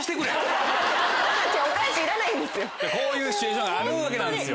こういうシチュエーションがあるわけなんですよ。